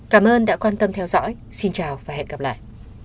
cảm ơn đã quan tâm theo dõi xin chào và hẹn gặp lại